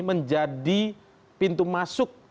menjadi pintu masuk